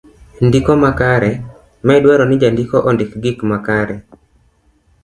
ndiko makare. mae dwaro ni jandiko ondik gik makare